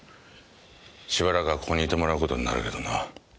しばらくはここにいてもらう事になるけどな。